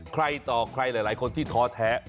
ใครต่อใครหลายคนที่ท้อแท้